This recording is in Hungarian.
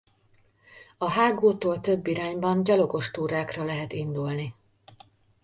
A hágótól több irányban gyalogos túrákra lehet indulni.